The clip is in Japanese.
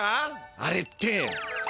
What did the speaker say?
あれって。